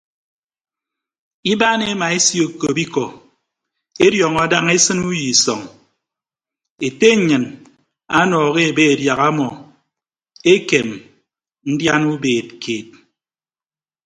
Ibaan ema esekop ikọ ediọọñọ daña esịn uyo isọñ ete nnyịn ọnọhọ ebe adiaha ọmọ ekem ndian ubeed keed.